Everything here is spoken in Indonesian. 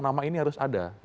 nama ini harus ada